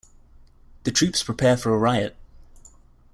The troops prepare for a riot.